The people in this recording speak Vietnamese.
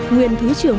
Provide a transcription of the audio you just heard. nguyên thủy trưởng